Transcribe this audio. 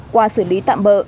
qua xử lý tạm bỡ